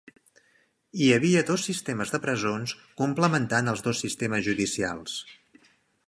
Hi havia dos sistemes de presons complementant els dos sistemes judicials.